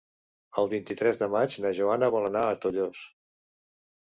El vint-i-tres de maig na Joana vol anar a Tollos.